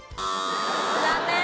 残念！